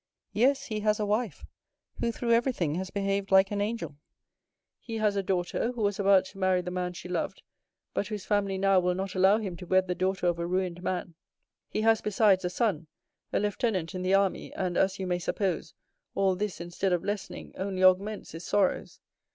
"Yes, he has a wife, who through everything has behaved like an angel; he has a daughter, who was about to marry the man she loved, but whose family now will not allow him to wed the daughter of a ruined man; he has, besides, a son, a lieutenant in the army; and, as you may suppose, all this, instead of lessening, only augments his sorrows.